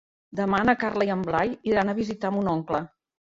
Demà na Carla i en Blai iran a visitar mon oncle.